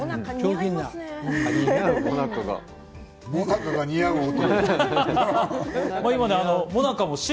もなかが似合う男。